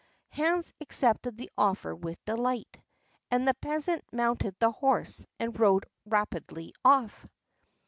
Hans accepted the offer with delight, and the peasant mounted the horse and rode rapidly off.